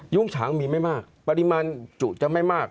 ฉางมีไม่มากปริมาณจุจะไม่มาก